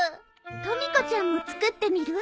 とみ子ちゃんも作ってみる？